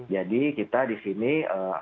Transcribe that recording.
jadi kita di sini akan melayani